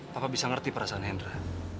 papa bisa ngerti perasaan hendra